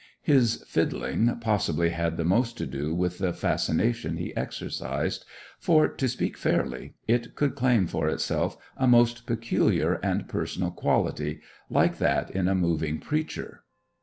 His fiddling possibly had the most to do with the fascination he exercised, for, to speak fairly, it could claim for itself a most peculiar and personal quality, like that in a moving preacher.